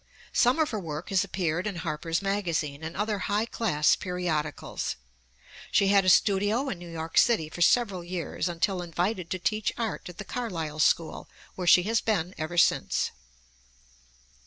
Some of her work has appeared in Harper's Magazine and other high class periodicals. She had a studio in New York City for several years, until invited to teach art at the Carlisle school, where she has been ever since.